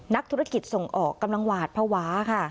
นักธุรกิจส่งออกกำลังหวาดภาวะค่ะ